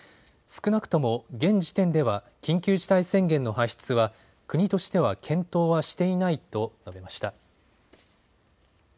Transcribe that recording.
少なくとも現時点では緊急事態宣言の発出は国としては検討はしていないと述べました。